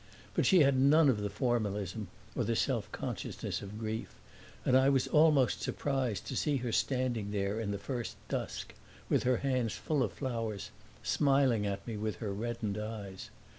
But she had none of the formalism or the self consciousness of grief, and I was almost surprised to see her standing there in the first dusk with her hands full of flowers, smiling at me with her reddened eyes.